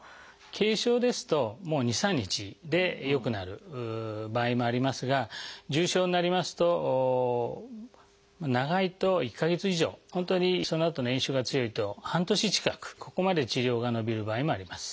軽症ですと２３日で良くなる場合もありますが重症になりますと長いと１か月以上本当にそのあとの炎症が強いと半年近くここまで治療が延びる場合もあります。